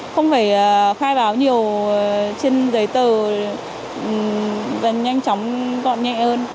không phải khai báo nhiều trên giấy tờ dần nhanh chóng gọn nhẹ hơn